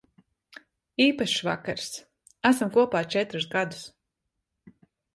Īpašs vakars. Esam kopā četrus gadus.